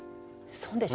損でしょ？